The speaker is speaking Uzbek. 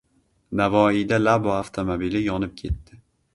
Navoiyda “Labo” avtomobili yonib ketdi